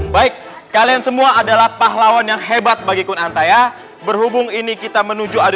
baik kalian semua adalah pahlawan yang hebat bagi kuntaya berhubung ini kita menuju adu